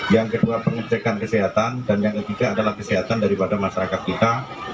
yang kedua pengecekan kesehatan dan yang ketiga adalah kesehatan daripada masyarakat kita